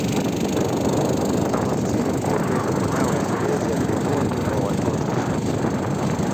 kama vile pombe na madawa ya kulevya miongoni mwa watoto